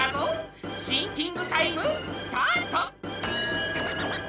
シンキングタイムスタート！